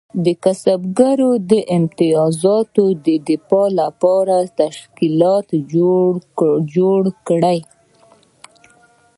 کسبګرو د امتیازاتو د دفاع لپاره تشکیلات جوړ کړل.